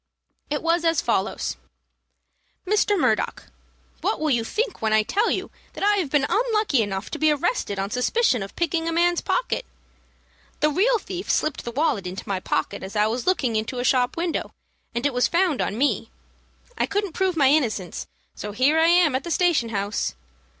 It was as follows: "MR. MURDOCK, What will you think when I tell you that I have been unlucky enough to be arrested on suspicion of picking a man's pocket? The real thief slipped the wallet into my pocket as I was looking into a shop window, and it was found on me. I couldn't prove my innocence, so here I am at the station house.